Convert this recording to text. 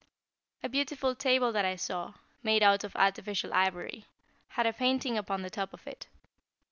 A beautiful table that I saw made out of artificial ivory, had a painting upon the top of it.